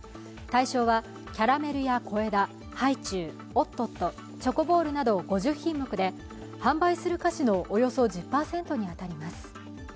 対象はキャラメルや、小枝ハイチュウ、おっとっとチョコボールなど５０品目で販売する菓子のおよそ１０％に当たります。